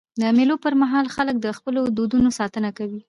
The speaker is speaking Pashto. د مېلو پر مهال خلک د خپلو دودونو ساتنه کوي.